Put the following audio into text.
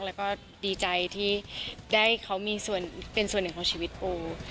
แล้วก็ดีใจที่ได้เขามีส่วนเป็นส่วนหนึ่งของชีวิตปู